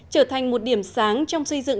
trở thành một điểm sáng trong xây dựng